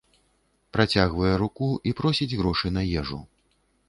Працягвае руку і просіць грошы на ежу.